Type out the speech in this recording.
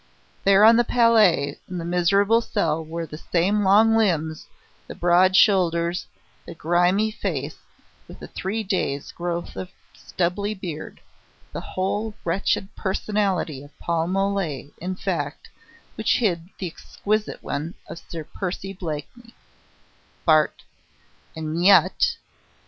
There on the palliasse in the miserable cell were the same long limbs, the broad shoulders, the grimy face with the three days' growth of stubbly beard the whole wretched personality of Paul Mole, in fact, which hid the exquisite one of Sir Percy Blakeney, Bart. And yet!...